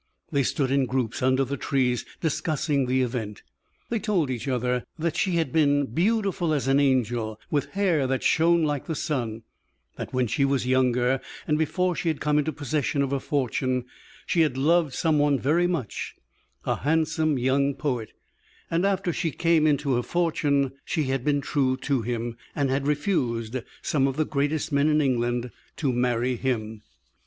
They stood in groups under the trees discussing the event, they told each other that she had been beautiful as an angel, with hair that shone like the sun: that when she was younger and before she had come into possession of her fortune she had loved some one very much, a handsome, young poet; and after she came into her fortune, she had been true to him, and had refused some of the greatest men in England, to marry him.